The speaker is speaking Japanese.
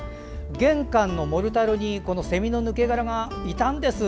玄関のモルタルにせみの抜け殻がいたんです。